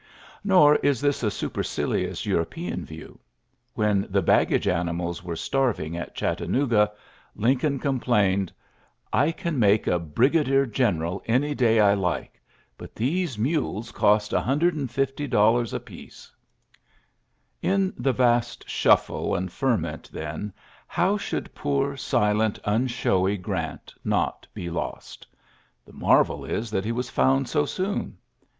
'^ Nor is this a supercilious Euro pean view. When the baggage animals were starving at Chattanooga^ Lincoln complained, ^^I can make a brigadier XJLYSSES S. GEANT 36 general any day I like, but these mnles cost $150 apiece." In the vast shnffle and ferment, then, how should poor, silent, nnshowy Grant not be lost! The marvel is that he was found so soon.